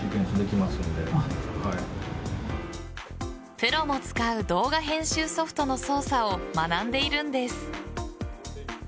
プロも使う動画編集ソフトの操作を学んでいるんです。